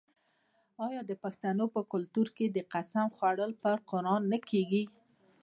آیا د پښتنو په کلتور کې د قسم خوړل په قران نه کیږي؟